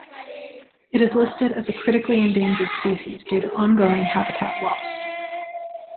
It is listed as a critically endangered species due to ongoing habitat loss.